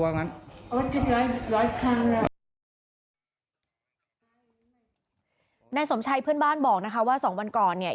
นายสมชัยเพื่อนบ้านบอกนะคะว่าสองวันก่อนเนี่ย